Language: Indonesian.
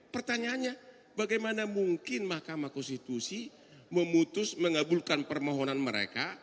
pertanyaannya bagaimana mungkin mahkamah konstitusi memutus mengabulkan permohonan mereka